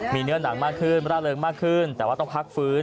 มีเนื้อหนังมากขึ้นร่าเริงมากขึ้นแต่ว่าต้องพักฟื้น